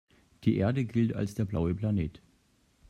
Die Erde gilt als der „blaue Planet“.